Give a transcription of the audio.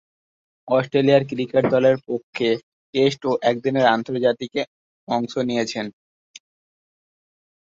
Australia cricket দলের পক্ষে test ও একদিনের আন্তর্জাতিকে অংশ নিয়েছেন।